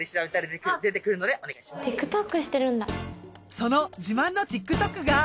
その自慢のＴｉｋＴｏｋが。